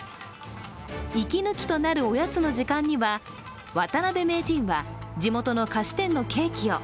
息抜きとなるおやつの時間には渡辺名人は地元の菓子店のケーキを。